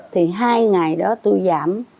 thì hai ngày đó tôi giảm